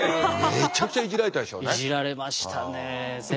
めちゃくちゃいじられたでしょうね。